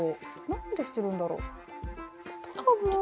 何でしているんだろう？